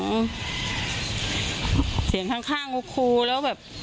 เขาเถี๋ยังทั้งคลุ่คลุ